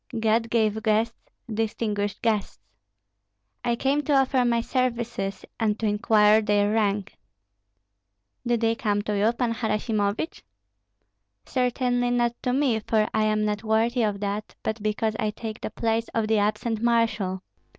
"God gave guests, distinguished guests. I came to offer my services and to inquire their rank." "Did they come to you, Pan Harasimovich?" "Certainly not to me, for I am not worthy of that; but because I take the place of the absent marshal.